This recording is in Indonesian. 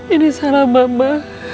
ini salah mama